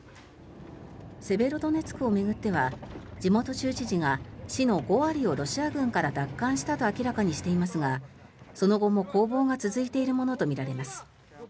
セベロドネツクを巡っては地元州知事が市の５割をロシア軍から奪還したと明らかにしていますがその後も攻防が続いているものとみられます。